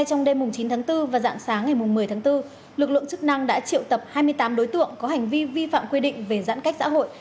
trước đó trong hai đêm chín bốn và dạng sáng ngày một mươi bốn lực lượng chức năng đã triệu tập hai mươi tám đối tượng có hành vi vi phạm quy định về giãn cách xã hội